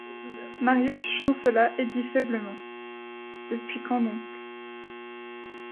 Marius chancela et dit faiblement :— Depuis quand donc ?